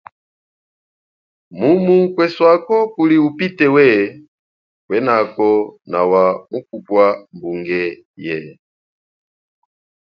Mumu kweswako kuli upite we, kwenako nawa mukupwa mbunge ye.